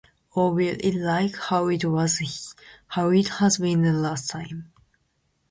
Or will it like how it has been the last time?